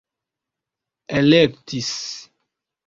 elektis